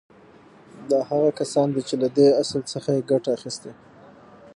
دا هغه کسان دي چې له دې اصل څخه يې ګټه اخيستې.